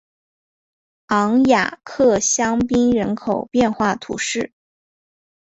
昂雅克香槟人口变化图示